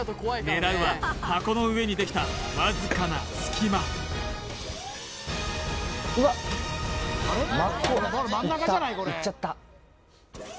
狙うは箱の上にできたわずかな隙間うわっ真っ向いったいっちゃった